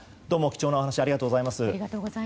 貴重なお話ありがとうございます。